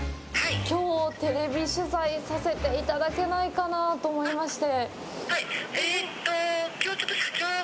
きょう、テレビ取材させていただけないかなと思いまして。